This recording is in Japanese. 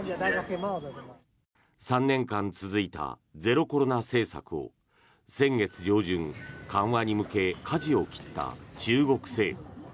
３年間続いたゼロコロナ政策を先月上旬、緩和に向けかじを切った中国政府。